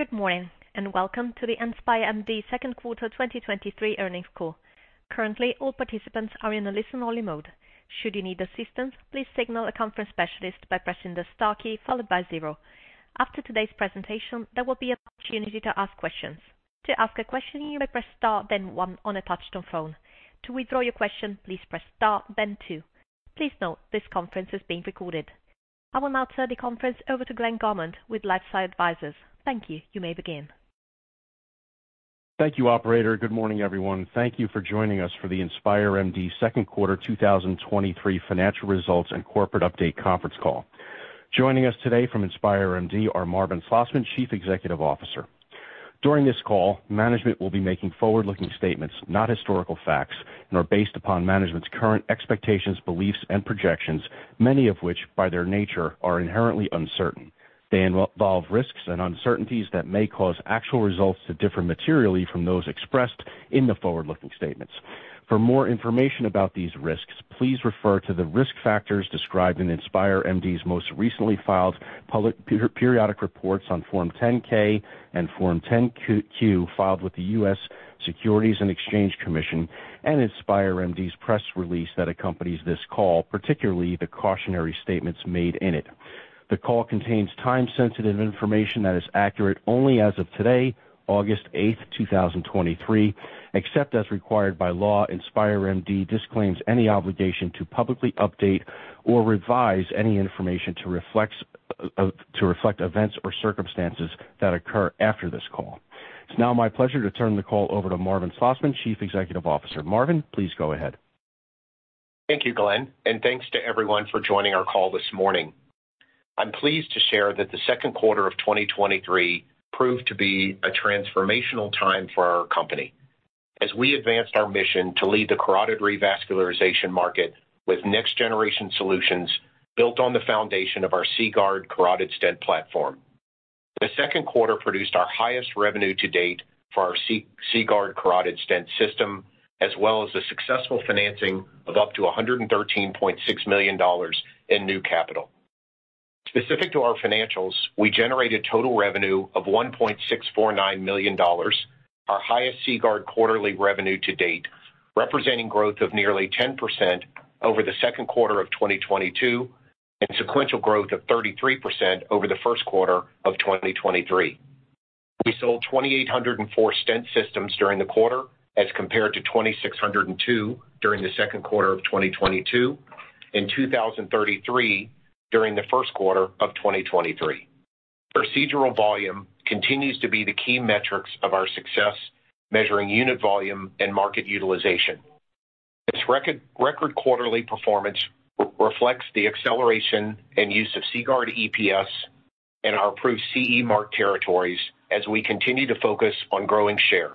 Good morning, and welcome to the InspireMD second quarter 2023 earnings call. Currently, all participants are in a listen-only mode. Should you need assistance, please signal a conference specialist by pressing the star key followed by zero. After today's presentation, there will be an opportunity to ask questions. To ask a question, you may press star, then one on a touchtone phone. To withdraw your question, please press star, then two. Please note, this conference is being recorded. I will now turn the conference over to Glenn Garmont with LifeSci Advisors. Thank you. You may begin. Thank you, operator. Good morning, everyone. Thank you for joining us for the InspireMD second quarter 2023 financial results and corporate update conference call. Joining us today from InspireMD are Marvin Slosman, Chief Executive Officer. During this call, management will be making forward-looking statements, not historical facts, and are based upon management's current expectations, beliefs, and projections, many of which, by their nature, are inherently uncertain. They involve risks and uncertainties that may cause actual results to differ materially from those expressed in the forward-looking statements. For more information about these risks, please refer to the risk factors described in InspireMD's most recently filed public periodic reports on Form 10-K and Form 10-Q, filed with the U.S. Securities and Exchange Commission, and InspireMD's press release that accompanies this call, particularly the cautionary statements made in it. The call contains time-sensitive information that is accurate only as of today, August 8th, 2023. Except as required by law, InspireMD disclaims any obligation to publicly update or revise any information to reflect events or circumstances that occur after this call. It's now my pleasure to turn the call over to Marvin Slosman, Chief Executive Officer. Marvin, please go ahead. Thank you, Glenn. Thanks to everyone for joining our call this morning. I'm pleased to share that the second quarter of 2023 proved to be a transformational time for our company as we advanced our mission to lead the carotid revascularization market with next-generation solutions built on the foundation of our CGuard carotid stent platform. The second quarter produced our highest revenue to date for our CGuard carotid stent system, as well as the successful financing of up to $113.6 million in new capital. Specific to our financials, we generated total revenue of $1.649 million, our highest CGuard quarterly revenue to date, representing growth of nearly 10% over the second quarter of 2022 and sequential growth of 33% over the first quarter of 2023. We sold 2,804 stent systems during the quarter, as compared to 2,602 during the second quarter of 2022, and 2,033 during the first quarter of 2023. Procedural volume continues to be the key metrics of our success, measuring unit volume and market utilization. This record quarterly performance reflects the acceleration and use of CGuard EPS in our approved CE Mark territories as we continue to focus on growing share.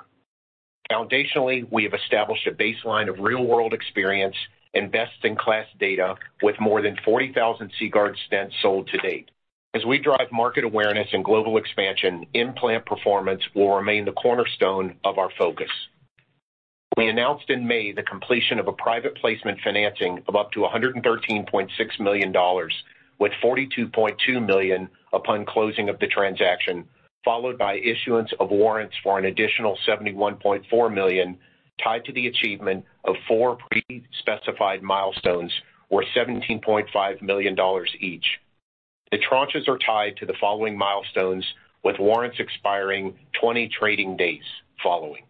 Foundationally, we have established a baseline of real-world experience and best-in-class data with more than 40,000 CGuard stents sold to date. As we drive market awareness and global expansion, implant performance will remain the cornerstone of our focus. We announced in May the completion of a private placement financing of up to $113.6 million, with $42.2 million upon closing of the transaction, followed by issuance of warrants for an additional $71.4 million, tied to the achievement of four pre-specified milestones, or $17.5 million each. The tranches are tied to the following milestones, with warrants expiring 20 trading days following.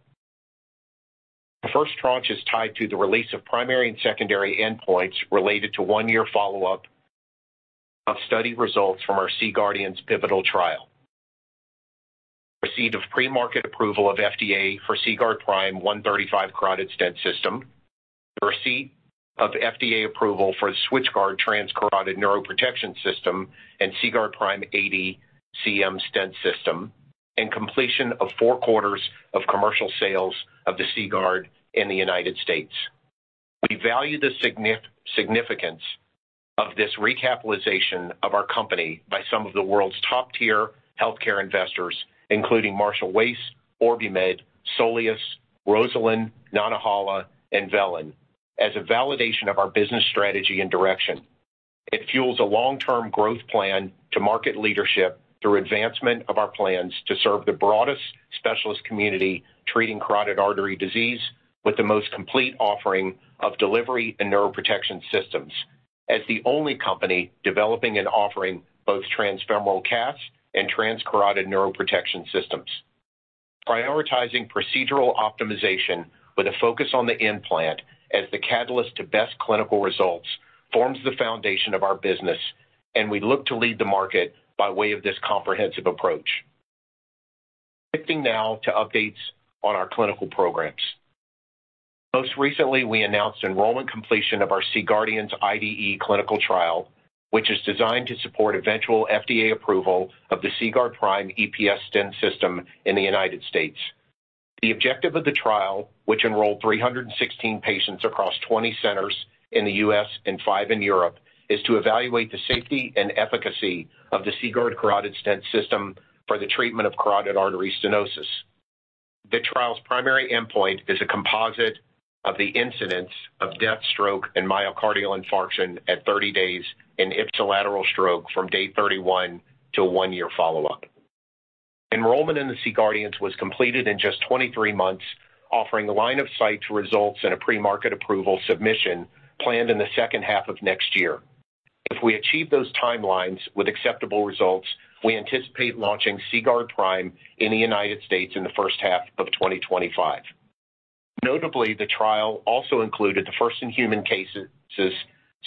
The first tranche is tied to the release of primary and secondary endpoints related to 1-year follow-up of study results from our C-GUARDIANS pivotal trial. Receipt of Premarket Approval of FDA for CGuard Prime 135 carotid stent system, the receipt of FDA approval for SwitchGuard Transcarotid Neuroprotection System and CGuard Prime 80 cm stent system. Completion of four quarters of commercial sales of the CGuard in the United States. We value the significance of this recapitalization of our company by some of the world's top-tier healthcare investors, including Marshall Wace, OrbiMed, Soleus, Rosalind, Nantahala, and Velan, as a validation of our business strategy and direction. It fuels a long-term growth plan to market leadership through advancement of our plans to serve the broadest specialist community treating carotid artery disease with the most complete offering of delivery and neuroprotection systems as the only company developing and offering both transfemoral CAS and transcarotid neuroprotection systems. Prioritizing procedural optimization with a focus on the implant as the catalyst to best clinical results forms the foundation of our business, and we look to lead the market by way of this comprehensive approach. Switching now to updates on our clinical programs. Most recently, we announced enrollment completion of our C-GUARDIANS IDE clinical trial, which is designed to support eventual FDA approval of the CGuard Prime EPS stent system in the United States. The objective of the trial, which enrolled 316 patients across 20 centers in the U.S. and 5 in Europe, is to evaluate the safety and efficacy of the CGuard carotid stent system for the treatment of carotid artery stenosis. The trial's primary endpoint is a composite of the incidence of death, stroke, and myocardial infarction at 30 days in ipsilateral stroke from day 31 to a 1-year follow-up. Enrollment in the C-GUARDIANS was completed in just 23 months, offering a line of sight to results and a Premarket Approval submission planned in the second half of next year. If we achieve those timelines with acceptable results, we anticipate launching CGuard Prime in the United States in the first half of 2025. Notably, the trial also included the first in human cases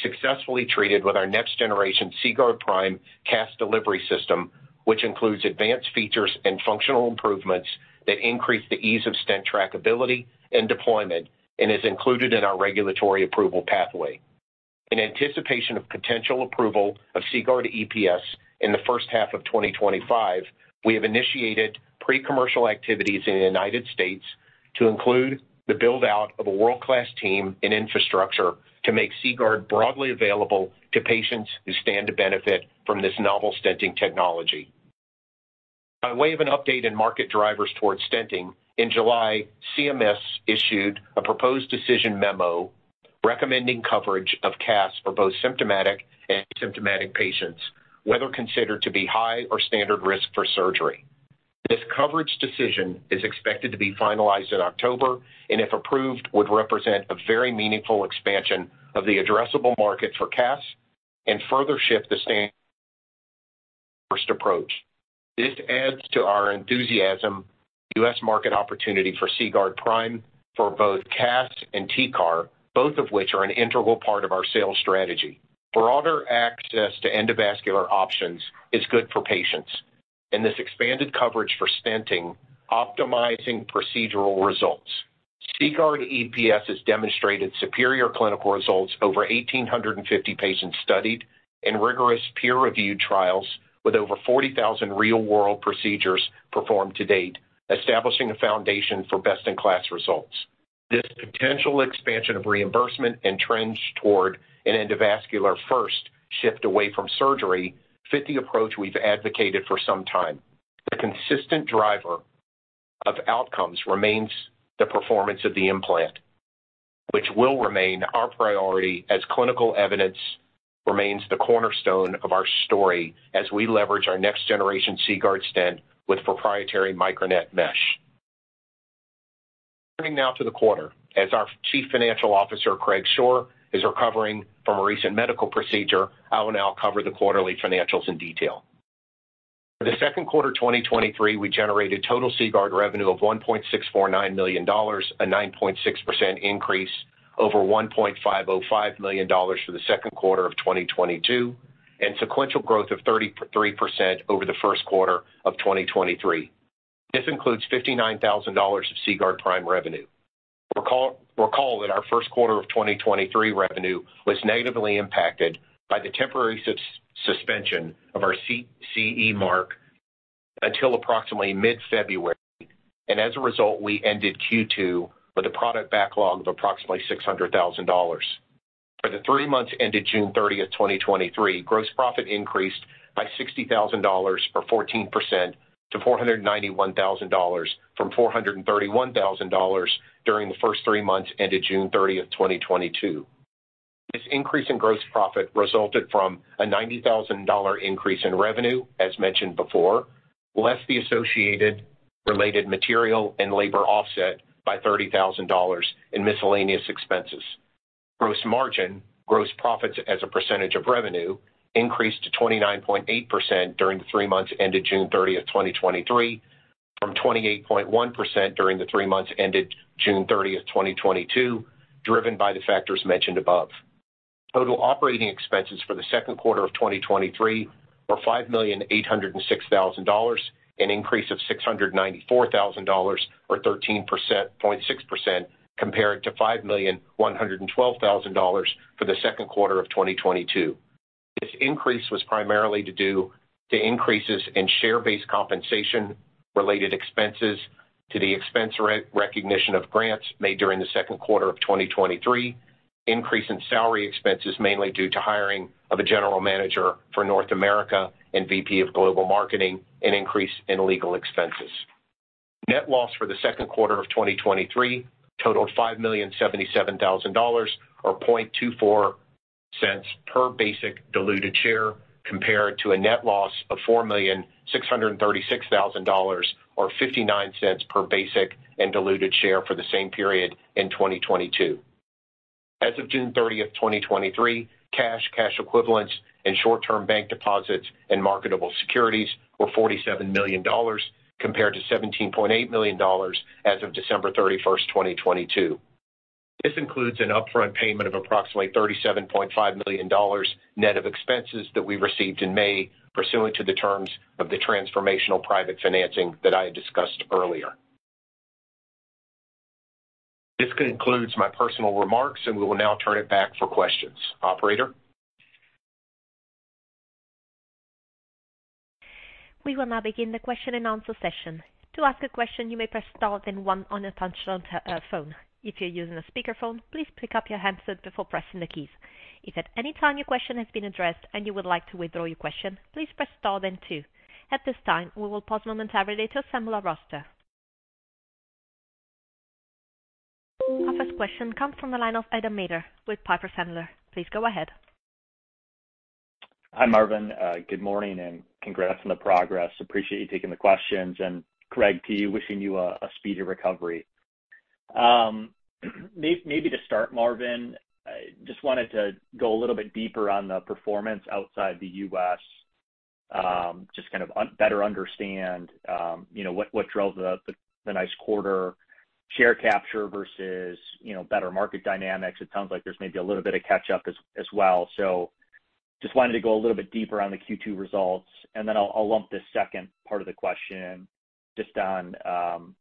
successfully treated with our next generation CGuard Prime CAS Delivery System, which includes advanced features and functional improvements that increase the ease of stent trackability and deployment, and is included in our regulatory approval pathway. In anticipation of potential approval of CGuard EPS in the first half of 2025, we have initiated pre-commercial activities in the United States to include the build-out of a world-class team and infrastructure to make CGuard broadly available to patients who stand to benefit from this novel stenting technology. By way of an update in market drivers towards stenting, in July, CMS issued a proposed decision memo recommending coverage of CAS for both symptomatic and asymptomatic patients, whether considered to be high or standard risk for surgery. This coverage decision is expected to be finalized in October. If approved, it would represent a very meaningful expansion of the addressable market for CAS and further shift the standard first approach. This adds to our enthusiasm U.S. market opportunity for CGuard Prime for both CAS and TCAR, both of which are an integral part of our sales strategy. Broader access to endovascular options is good for patients, and this expanded coverage for stenting, optimizing procedural results. CGuard EPS has demonstrated superior clinical results over 1,850 patients studied in rigorous peer-reviewed trials with over 40,000 real-world procedures performed to date, establishing a foundation for best-in-class results. This potential expansion of reimbursement and trends toward an endovascular first shift away from surgery fit the approach we've advocated for some time. The consistent driver of outcomes remains the performance of the implant, which will remain our priority as clinical evidence remains the cornerstone of our story as we leverage our next generation CGuard stent with proprietary MicroNet mesh. Turning now to the quarter, as our Chief Financial Officer, Craig Shore, is recovering from a recent medical procedure, I will now cover the quarterly financials in detail. For the second quarter of 2023, we generated total CGuard revenue of $1.649 million, a 9.6 increase over $1.5 million for the second quarter of 2022, sequential growth of 33% over the first quarter of 2023. This includes $59,000 of CGuard Prime revenue. Recall, recall that our first quarter of 2023 revenue was negatively impacted by the temporary suspension of our CE Mark until approximately mid-February, and as a result, we ended Q2 with a product backlog of approximately $600,000. For the three months ended June 30th, 2023, gross profit increased by $60,000, or 14% to $491,000 from $431,000 during the first three months ended June 30th, 2022. This increase in gross profit resulted from a $90,000 increase in revenue, as mentioned before, less the associated related material and labor offset by $30,000 in miscellaneous expenses. Gross margin, gross profits as a percentage of revenue, increased to 29.8% during the three months ended June 30th, 2023, from 28.1% during the three months ended June 30th, 2022, driven by the factors mentioned above. Total operating expenses for the second quarter of 2023 were $5,806,000, an increase of $694,000, or 13.6%, compared to $5,112,000 for the second quarter of 2022. This increase was primarily due to increases in share-based compensation related expenses to the expense re-recognition of grants made during the second quarter of 2023, increase in salary expenses mainly due to hiring of a general manager for North America and VP of Global Marketing, and increase in legal expenses. Net loss for the second quarter of 2023 totaled $5,077,000, or $0.0024 per basic diluted share, compared to a net loss of $4,636,000, or $0.59 per basic and diluted share for the same period in 2022. As of June 30th, 2023, cash, cash equivalents and short-term bank deposits and marketable securities were $47 million, compared to $17.8 million as of December 31st, 2022. This includes an upfront payment of approximately $37.5 million net of expenses that we received in May, pursuant to the terms of the transformational private financing that I had discussed earlier. This concludes my personal remarks, and we will now turn it back for questions. Operator? We will now begin the question and answer session. To ask a question, you may press star then one on your functional phone. If you're using a speakerphone, please pick up your handset before pressing the keys. If at any time your question has been addressed and you would like to withdraw your question, please press star then two. At this time, we will pause momentarily to assemble our roster. The next question comes from the line of Adam Maeder with Piper Sandler. Please go ahead. Hi, Marvin. Good morning and congrats on the progress. Appreciate you taking the questions, and Craig, to you, wishing you a speedy recovery. Maybe to start, Marvin, I just wanted to go a little bit deeper on the performance outside the U.S. Just kind of better understand, you know, what, what drove the, the, the nice quarter share capture versus, you know, better market dynamics. It sounds like there's maybe a little bit of catch up as well. Just wanted to go a little bit deeper on the Q2 results, and then I'll lump this second part of the question just on, you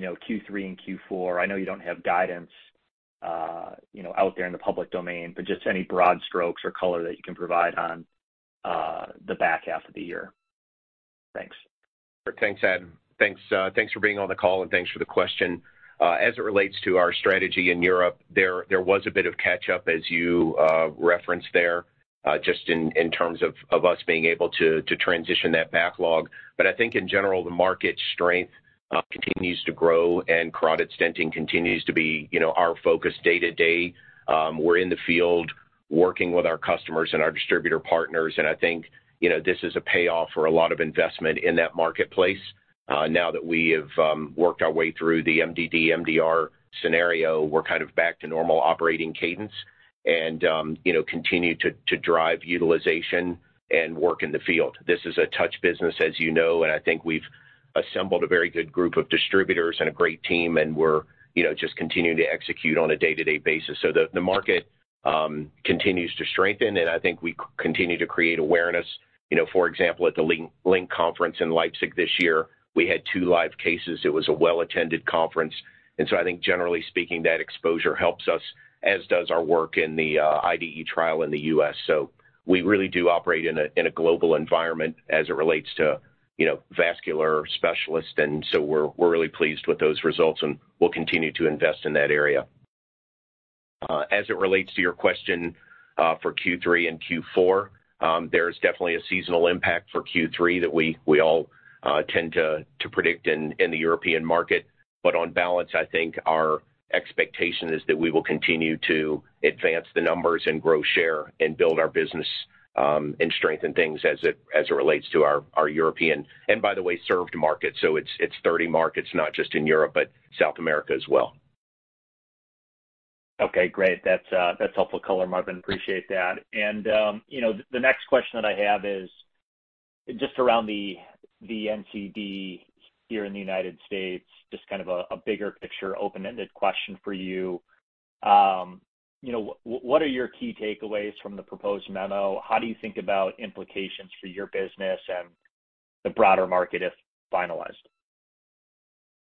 know, Q3 and Q4? I know you don't have guidance, you know, out there in the public domain, but just any broad strokes or color that you can provide on, the back half of the year? Thanks. Thanks, Adam. Thanks, thanks for being on the call, and thanks for the question. As it relates to our strategy in Europe, there, there was a bit of catch up, as you referenced there, just in, in terms of, of us being able to, to transition that backlog. I think in general, the market strength continues to grow and carotid stenting continues to be, you know, our focus day-to-day. We're in the field working with our customers and our distributor partners, and I think, you know, this is a payoff for a lot of investment in that marketplace. Now that we have worked our way through the MDD, MDR scenario, we're kind of back to normal operating cadence and, you know, continue to, to drive utilization and work in the field. This is a touch business, as you know, and I think we've assembled a very good group of distributors and a great team, and we're, you know, just continuing to execute on a day-to-day basis. The market continues to strengthen, and I think we continue to create awareness. You know, for example, at the LINC conference in Leipzig this year, we had two live cases. It was a well-attended conference. I think generally speaking, that exposure helps us, as does our work in the IDE trial in the U.S. We really do operate in a, in a global environment as it relates to, you know, vascular specialists, and we're, we're really pleased with those results, and we'll continue to invest in that area. As it relates to your question, for Q3 and Q4, there is definitely a seasonal impact for Q3 that we all, tend to predict in the European market. On balance, I think our expectation is that we will continue to advance the numbers and grow share and build our business, and strengthen things as it relates to our European, and by the way, served markets. It's 30 markets, not just in Europe, but South America as well. Okay, great. That's, that's helpful color, Marvin. Appreciate that. You know, the next question that I have is just around the NCD here in the United States. Just kind of a, a bigger picture, open-ended question for you. You know, what are your key takeaways from the proposed memo? How do you think about implications for your business and the broader market if finalized?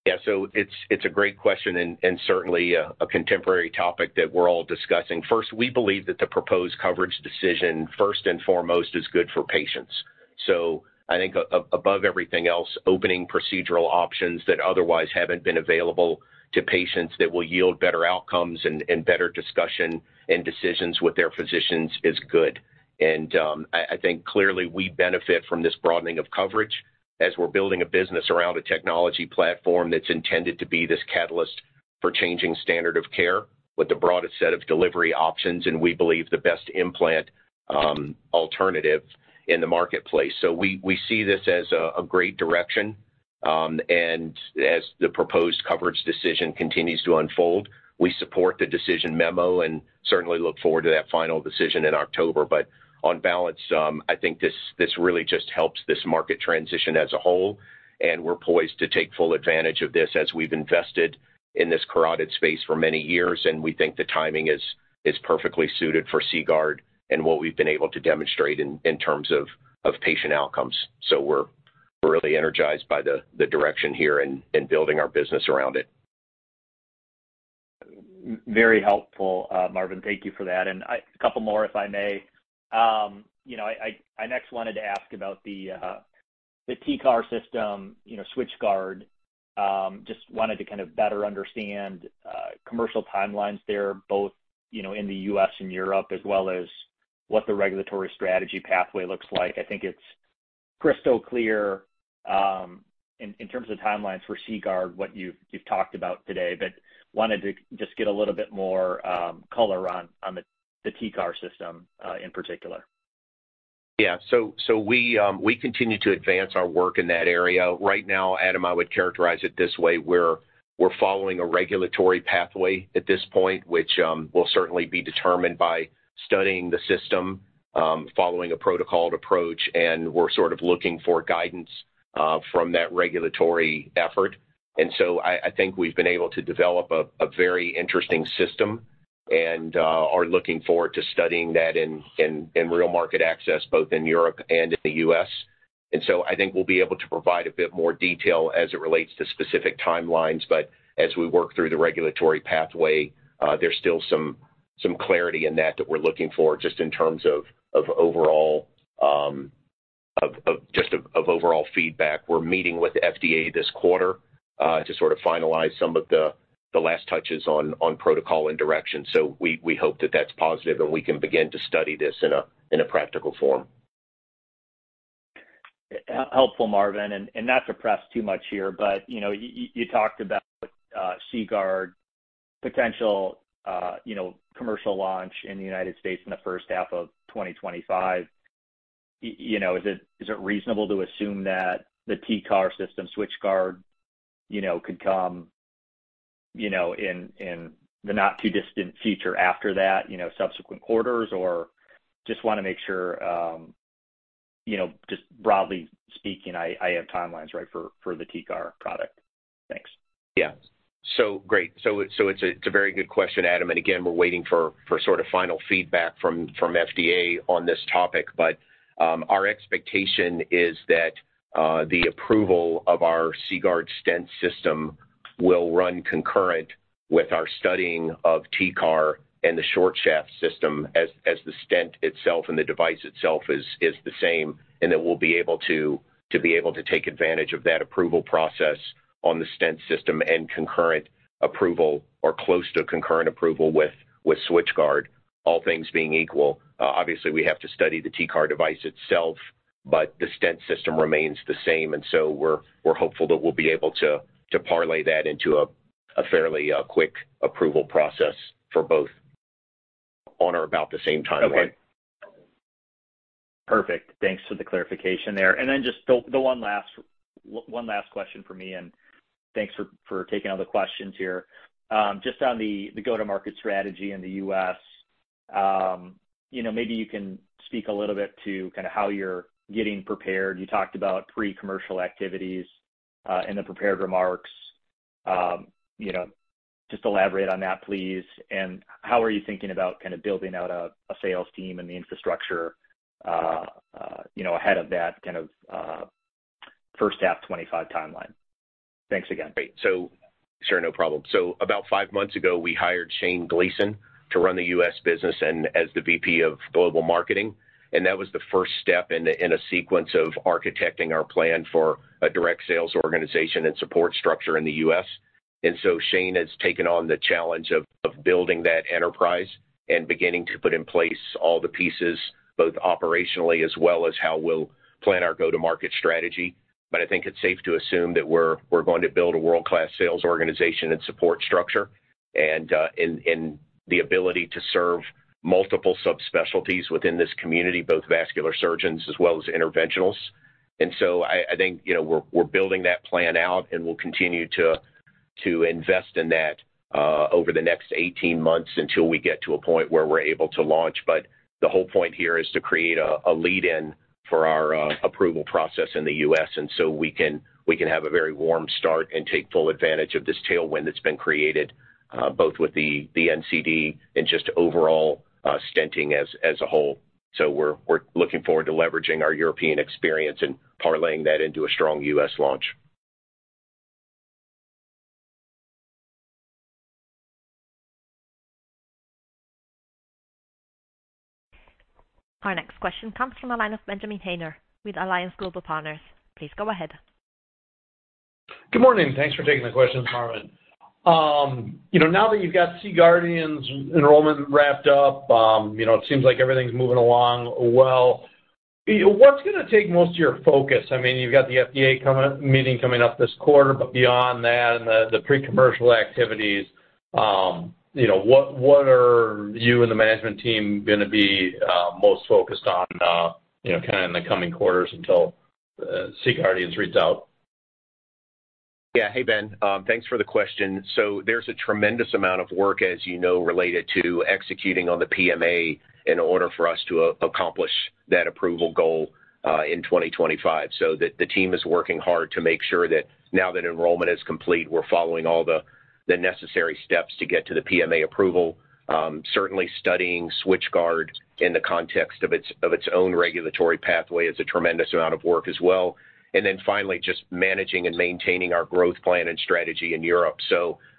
Yeah, so it's, it's a great question and, and certainly a, a contemporary topic that we're all discussing. First, we believe that the proposed coverage decision, first and foremost, is good for patients. I think above everything else, opening procedural options that otherwise haven't been available to patients that will yield better outcomes and, and better discussion and decisions with their physicians is good. I, I think clearly we benefit from this broadening of coverage as we're building a business around a technology platform that's intended to be this catalyst for changing standard of care with the broadest set of delivery options, and we believe the best implant, alternative in the marketplace. We, we see this as a, a great direction, and as the proposed coverage decision continues to unfold, we support the decision memo and certainly look forward to that final decision in October. On balance, I think this, this really just helps this market transition as a whole, and we're poised to take full advantage of this as we've invested in this carotid space for many years, and we think the timing is, is perfectly suited for CGuard and what we've been able to demonstrate in, in terms of, of patient outcomes. We're really energized by the, the direction here and, and building our business around it. Very helpful, Marvin, thank you for that. I- a couple more, if I may. You know, I, I, I next wanted to ask about the TCAR system, you know, SwitchGuard. Just wanted to kind of better understand commercial timelines there, both, you know, in the U.S. and Europe, as well as what the regulatory strategy pathway looks like. I think it's crystal clear, in, in terms of timelines for CGuard, what you've, you've talked about today, but wanted to just get a little bit more color on, on the, the TCAR system, in particular. Yeah. So we, we continue to advance our work in that area. Right now, Adam, I would characterize this way: we're, we're following a regulatory pathway at this point, which will certainly be determined by studying the system, following a protocoled approach, and we're sort of looking for guidance from that regulatory effort. I, I think we've been able to develop a, a very interesting system and are looking forward to studying that in, in, in real market access, both in Europe and in the U.S. I think we'll be able to provide a bit more detail as it relates to specific timelines, but as we work through the regulatory pathway, there's still some, some clarity in that that we're looking for just in terms of, of overall feedback. We're meeting with the FDA this quarter, to sort of finalize some of the, the last touches on, on protocol and direction. We, we hope that that's positive, and we can begin to study this in a, in a practical form.... Helpful, Marvin, not to press too much here, but, you know, you talked about CGuard potential, you know, commercial launch in the United States in the first half of 2025. You know, is it, is it reasonable to assume that the TCAR system SwitchGuard, you know, could come, you know, in, in the not-too-distant future after that, you know, subsequent quarters? Just want to make sure, you know, just broadly speaking, I, I have timelines right, for, for the TCAR product. Thanks. Yeah. Great. It's, it's a very good question, Adam, and again, we're waiting for, for sort of final feedback from, from FDA on this topic. Our expectation is that the approval of our CGuard stent system will run concurrent with our studying of TCAR and the short shaft system, as, as the stent itself and the device itself is, is the same, and that we'll be able to, to be able to take advantage of that approval process on the stent system and concurrent approval or close to concurrent approval with, with SwitchGuard, all things being equal. Obviously, we have to study the TCAR device itself, but the stent system remains the same, and so we're, we're hopeful that we'll be able to, to parlay that into a, a fairly quick approval process for both on or about the same timeline. Okay. Perfect. Thanks for the clarification there. Then just the, the one last, one last question for me, and thanks for, for taking all the questions here. Just on the, the go-to-market strategy in the US, you know, maybe you can speak a little bit to kind of how you're getting prepared. You talked about pre-commercial activities in the prepared remarks. You know, just elaborate on that, please. How are you thinking about kind of building out a, a sales team and the infrastructure, you know, ahead of that kind of, first half 25 timeline? Thanks again. Great. Sure, no problem. About five months ago, we hired Shane Gleason to run the U.S. business and as the VP of Global Marketing, and that was the first step in a sequence of architecting our plan for a direct sales organization and support structure in the U.S. Shane has taken on the challenge of building that enterprise and beginning to put in place all the pieces, both operationally as well as how we'll plan our go-to-market strategy. I think it's safe to assume that we're, we're going to build a world-class sales organization and support structure, and, and the ability to serve multiple subspecialties within this community, both vascular surgeons as well as interventionals. I, I think, you know, we're, we're building that plan out, and we'll continue to, to invest in that over the next 18 months until we get to a point where we're able to launch. The whole point here is to create a, a lead-in for our approval process in the U.S., and so we can, we can have a very warm start and take full advantage of this tailwind that's been created both with the NCD and just overall stenting as a whole. We're, we're looking forward to leveraging our European experience and parlaying that into a strong U.S. launch. Our next question comes from the line of Benjamin Haynor with Alliance Global Partners. Please go ahead. Good morning. Thanks for taking the question, Marvin. You know, now that you've got C-GUARDIANS enrollment wrapped up, you know, it seems like everything's moving along well. What's going to take most of your focus? I mean, you've got the FDA coming, meeting coming up this quarter, but beyond that and the pre-commercial activities, you know, what, what are you and the management team going to be most focused on, you know, kind of in the coming quarters until C-GUARDIANS reads out? Yeah. Hey, Ben, thanks for the question. There's a tremendous amount of work, as you know, related to executing on the PMA in order for us to accomplish that approval goal in 2025. The, the team is working hard to make sure that now that enrollment is complete, we're following all the, the necessary steps to get to the PMA approval. Certainly studying SwitchGuard in the context of its, of its own regulatory pathway is a tremendous amount of work as well. Then finally, just managing and maintaining our growth plan and strategy in Europe.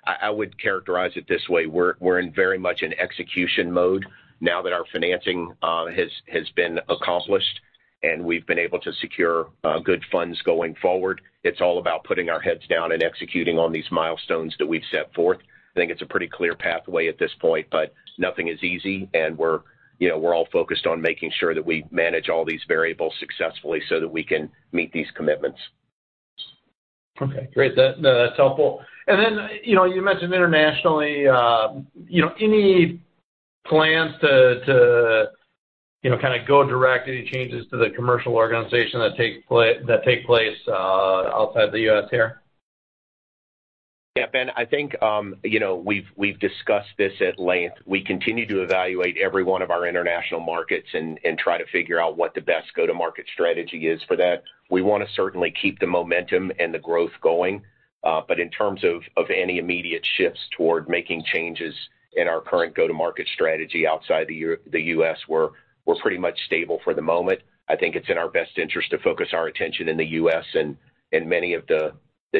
I, I would characterize it this way: We're, we're in very much in execution mode now that our financing has, has been accomplished, and we've been able to secure good funds going forward. It's all about putting our heads down and executing on these milestones that we've set forth. I think it's a pretty clear pathway at this point. Nothing is easy, and we're, you know, we're all focused on making sure that we manage all these variables successfully so that we can meet these commitments. Okay, great. That, that's helpful. You know, you mentioned internationally, you know, any plans to, you know, kind of go directly changes to the commercial organization that take place, outside the U.S. here? Yeah, Ben, I think, you know, we've, we've discussed this at length. We continue to evaluate every one of our international markets and, and try to figure out what the best go-to-market strategy is for that. We want to certainly keep the momentum and the growth going, but in terms of, of any immediate shifts toward making changes in our current go-to-market strategy outside the U.S., we're, we're pretty much stable for the moment. I think it's in our best interest to focus our attention in the U.S. and, and many of the,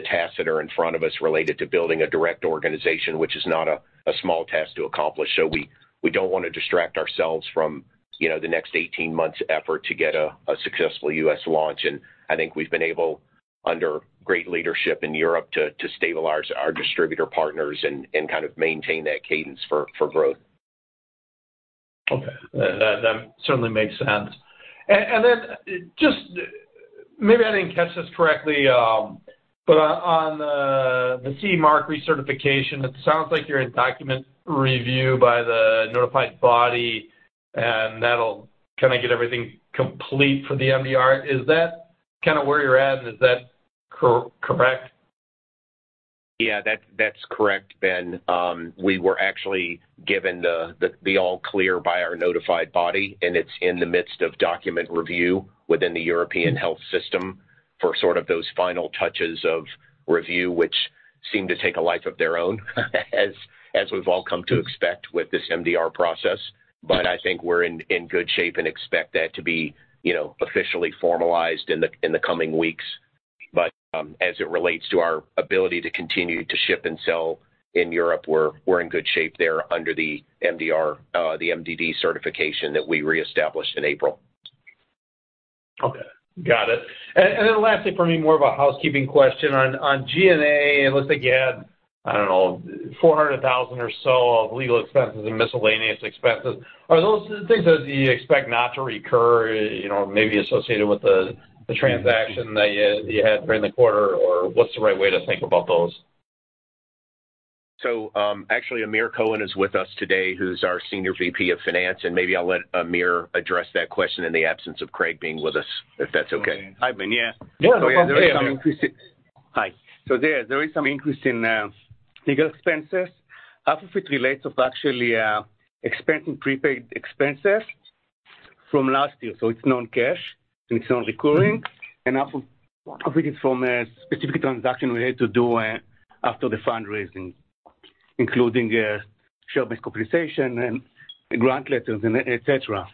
the tasks that are in front of us related to building a direct organization, which is not a, a small task to accomplish. We, we don't want to distract ourselves from, you know, the next 18 months' effort to get a, a successful U.S. launch. I think we've been able, under great leadership in Europe, to, to stabilize our distributor partners and, and kind of maintain that cadence for, for growth. Okay, that, that certainly makes sense. Then just maybe I didn't catch this correctly, but on, on the, the CE Mark recertification, it sounds like you're in document review by the notified body, and that'll kind of get everything complete for the MDR. Is that kind of where you're at, and is that cor- correct? Yeah, that's, that's correct, Ben. We were actually given the, the, the all clear by our notified body, and it's in the midst of document review within the European Health System for sort of those final touches of review, which seem to take a life of their own, as, as we've all come to expect with this MDR process. I think we're in, in good shape and expect that to be, you know, officially formalized in the, in the coming weeks. As it relates to our ability to continue to ship and sell in Europe, we're, we're in good shape there under the MDR, the MDD certification that we reestablished in April. Okay, got it. Then lastly, for me, more of a housekeeping question. On, on G&A, it looks like you had, I don't know, $400,000 or so of legal expenses and miscellaneous expenses. Are those things that you expect not to recur, you know, maybe associated with the, the transaction that you, you had during the quarter, or what's the right way to think about those? Actually, Amir Kohen is with us today, who's our Senior VP of Finance, and maybe I'll let Amir address that question in the absence of Craig being with us, if that's okay. Hi, Ben. Yeah. Yeah. Hi. There, there is some increase in legal expenses. Half of it relates of actually expense and prepaid expenses from last year, so it's non-cash, and it's non-recurring. Half of, half it is from a specific transaction we had to do after the fundraising, including share-based compensation and grant letters and et cetera.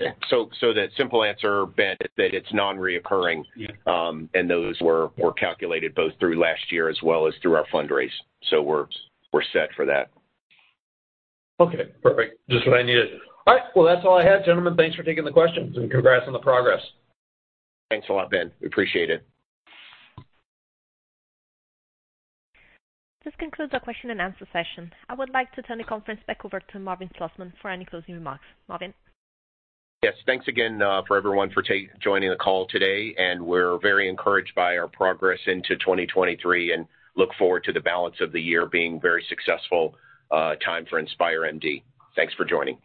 Okay. So the simple answer, Ben, that it's non-reoccurring. Yeah. Those were, were calculated both through last year as well as through our fundraise. We're, we're set for that. Okay, perfect. Just what I needed. All right. Well, that's all I had, gentlemen. Thanks for taking the questions, and congrats on the progress. Thanks a lot, Ben. We appreciate it. This concludes our question and answer session. I would like to turn the conference back over to Marvin Slosman for any closing remarks. Marvin? Yes, thanks again for everyone for joining the call today, we're very encouraged by our progress into 2023 and look forward to the balance of the year being very successful time for InspireMD. Thanks for joining.